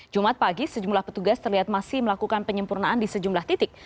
jumat pagi sejumlah petugas terlihat masih melakukan penyempurnaan di sejumlah titik